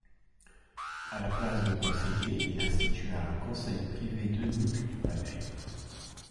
À la place de conseillers, il institua un conseil privé d'eunuques du palais.